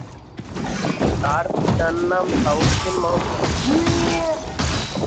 তার পিতার নাম সাঈদ উদ্দিন আহমদ।